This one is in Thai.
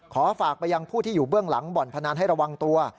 ขอฝากไปยังผู้ที่อยู่เบื้องหลังบ่อนพนันให้ระวังตัว